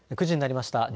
９時になりました。